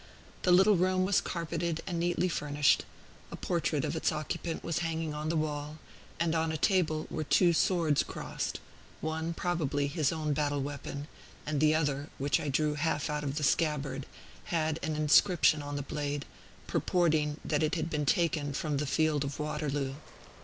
The little room was carpeted and neatly furnished; a portrait of its occupant was hanging on the wall; and on a table were two swords crossed, one, probably, his own battle weapon, and the other, which I drew half out of the scabbard, had an inscription on the blade, purporting that it had been taken from the field of Waterloo.